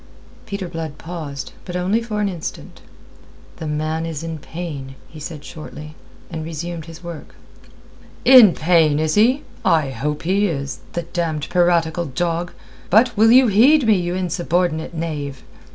Peter Blood paused, but only for an instant. "The man is in pain," he said shortly, and resumed his work. "In pain, is he? I hope he is, the damned piratical dog. But will you heed me, you insubordinate knave?"